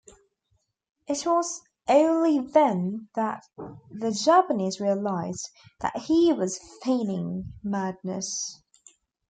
It was only then that the Japanese realized that he was feigning madness.